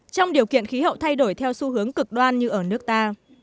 trong điều kiện khí hậu thay đổi theo xu hướng cực đoan như ở nước ta